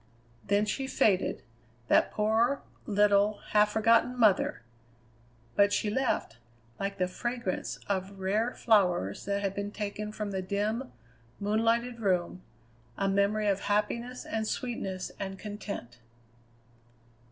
Then she faded, that poor, little, half forgotten mother! But she left, like the fragrance of rare flowers that had been taken from the dim, moon lighted room, a memory of happiness and sweetness and content.